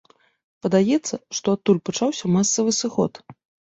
Падаецца, што адтуль пачаўся масавы сыход.